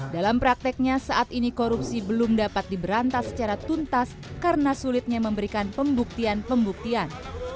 dalam prakteknya saat ini korupsi belum dapat diberantas secara tuntas karena sulitnya memberikan pembuktian pembuktian